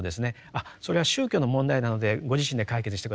あっそれは宗教の問題なのでご自身で解決して下さい。